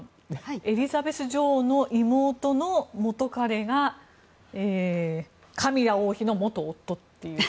エリザベス女王の妹の元カレがカミラ王妃の元夫という。